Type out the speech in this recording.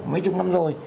mấy chục năm rồi